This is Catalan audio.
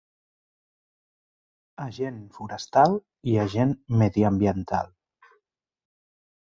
Agent Forestal i Agent Mediambiental.